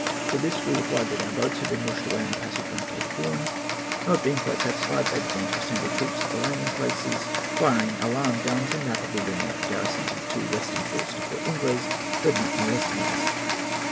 To this we replied that our boats had been washed away in the passage round Cape Horn. Not being quite satisfied, they began to assemble troops at the landing place, firing alarm guns, and rapidly bringing up the garrisons of the western forts to Fort Ingles, but not molesting us.